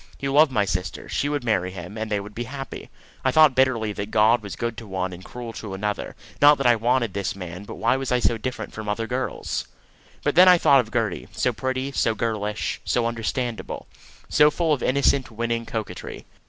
He loved my sister; she would marry him, and they would be happy. I thought bitterly that God was good to one and cruel to another not that I wanted this man, but why was I so different from other girls? But then I thought of Gertie, so pretty, so girlish, so understandable, so full of innocent winning coquetry.